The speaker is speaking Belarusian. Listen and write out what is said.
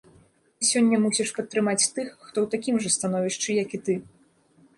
Ты сёння мусіш падтрымаць тых, хто ў такім жа становішчы, як і ты.